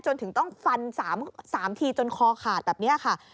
จนถึงต้องฟัน๓ทีจนคอขาดแบบนี้ค่ะ